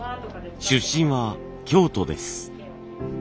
出身は京都です。